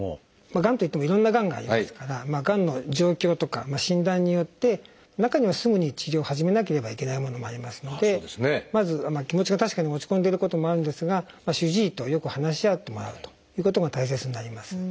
がんといってもいろんながんがありますからがんの状況とか診断によって中にはすぐに治療を始めなければいけないものもありますのでまず気持ちが確かに落ち込んでることもあるんですが主治医とよく話し合ってもらうということが大切になります。